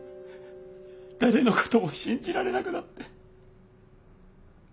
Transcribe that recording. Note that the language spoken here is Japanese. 誰のことも信じられなくなって。